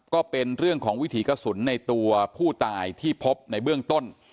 ก็เป็นเรื่องของวิถีกระสุนในตัวผู้ตายที่พบในเบื้องต้น